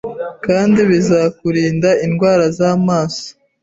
kandi bizakurinda indwara z’amaso